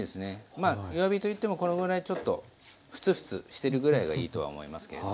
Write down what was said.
まあ弱火といってもこのぐらいちょっとフツフツしてるぐらいがいいとは思いますけど。